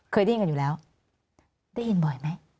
เคยได้ยินกันอยู่แล้วได้ยินบ่อยไหม